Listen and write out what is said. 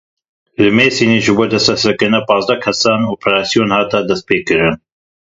Li Mêrsînê ji bo desteserkirina panzdeh kesan operasyon hat destpêkirin.